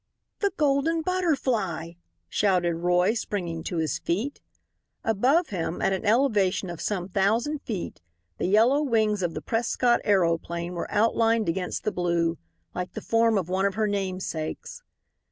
"The Golden Butterfly!" shouted Roy, springing to his feet. Above him, at an elevation of some thousand feet, the yellow wings of the Prescott aeroplane were outlined against the blue, like the form of one of her namesakes.